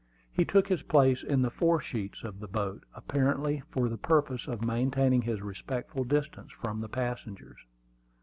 He took his place in the fore sheets of the boat, apparently for the purpose of maintaining his respectful distance from the passengers.